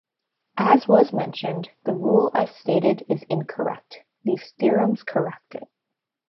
As was mentioned, the rule as stated is incorrect; these theorems correct it.